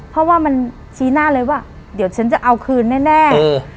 เพราะว่ามันชี้หน้าเลยว่าเดี๋ยวฉันจะเอาคืนแน่